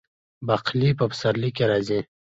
باقلي په پسرلي کې راځي.